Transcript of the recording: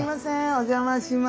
お邪魔します。